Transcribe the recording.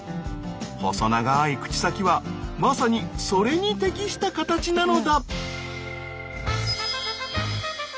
細長い口先はまさにそれに適した形なのだ。